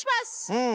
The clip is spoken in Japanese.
うん。